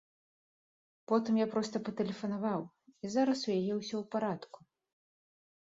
Потым я проста патэлефанаваў, і зараз у яе ўсё ў парадку.